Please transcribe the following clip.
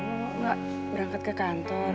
kamu gak berangkat ke kantor